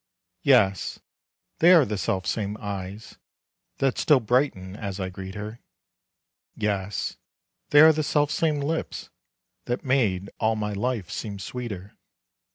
Yes, they are the self same eyes That still brighten as I greet her, Yes, they are the self same lips That made all my life seem sweeter.